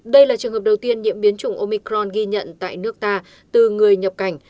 đây là trường hợp đầu tiên nhiễm biến chủng omicron ghi nhận tại nước ta từ người nhập cảnh